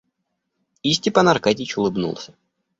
И Степан Аркадьич улыбнулся.